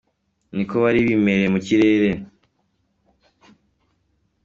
Ni uko bari bimereye mu kirere.